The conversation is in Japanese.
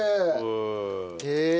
へえ！